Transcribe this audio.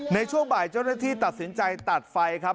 ในช่วงบ่ายเจ้าหน้าที่ตัดสินใจตัดไฟครับ